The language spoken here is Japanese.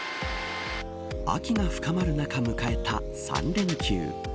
秋が深まる中迎えた３連休。